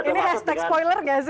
ini hashtag spoiler gak sih